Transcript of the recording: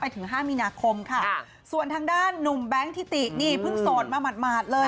ไปถึงห้ามินาคมส่วนทางด้านหนุ่มแบงค์ทิตินี่พึ่งโสดมาละรวมหมัดเลย